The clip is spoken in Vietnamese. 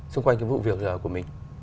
xung quanh cái vụ việc của mình